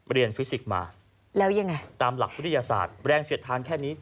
ฟิสิกส์มาแล้วยังไงตามหลักวิทยาศาสตร์แรงเสียดทานแค่นี้